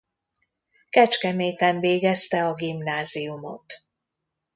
Kecskeméten végezte a gimnáziumot.